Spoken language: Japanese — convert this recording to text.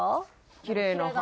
きれいな鼻・